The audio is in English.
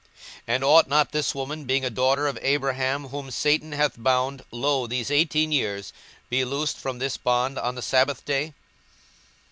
42:013:016 And ought not this woman, being a daughter of Abraham, whom Satan hath bound, lo, these eighteen years, be loosed from this bond on the sabbath day?